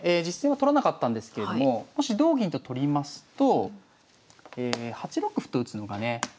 実戦は取らなかったんですけれどももし同銀と取りますと８六歩と打つのがね